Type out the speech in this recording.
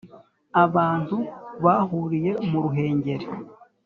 Abahutu bahuriye mu Ruhengeri